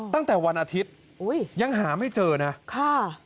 ตั้งแต่วันอาทิตย์ยังหาไม่เจอนะค่ะ